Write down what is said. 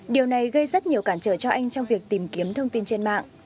điều này gây rất nhiều cản trở cho anh trong việc tìm kiếm thông tin trên mạng